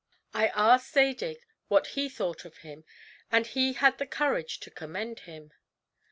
I asked Zadig what he thought of him, and he had the courage to commend him.